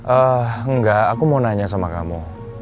eee engga aku mau nanya sama kamu